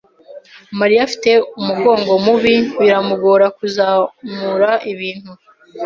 Mariya afite umugongo mubi. Biramugora kuzamura ibintu.